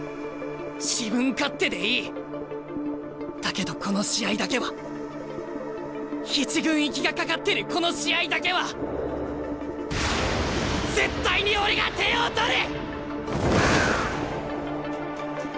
自分勝手でいい。だけどこの試合だけは１軍行きがかかってるこの試合だけは絶対に俺が点を取る！